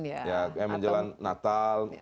kayak misalnya menjelan natal